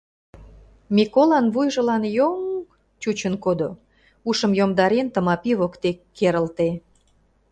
Миколан вуйжылан йоҥ-ҥ чучын кодо; ушым йомдарен, Тымапи воктек керылте.